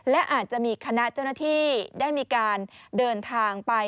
และอาจจะมีคณะเจ้าหน้าที่ได้มีการเดินทางไป